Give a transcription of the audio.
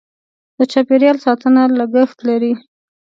د چاپیریال ساتنه لګښت لري.